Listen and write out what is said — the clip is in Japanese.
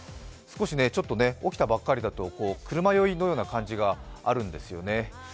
ちょっと起きたばっかりだと車酔いのような感じがあるんですよね。